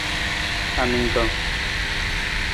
Aningkang.